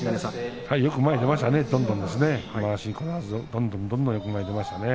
よく前に出ましたね。